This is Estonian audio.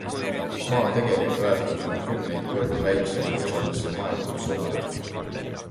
Maa tegelik väärtus on kümneid kordi väiksem kui sellesse maetud summad.